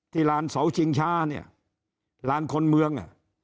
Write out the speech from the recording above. ลานเสาชิงช้าเนี่ยลานคนเมือง